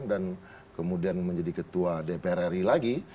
dan kemudian menjadi ketua dpr ri lagi